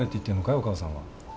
お母さんは。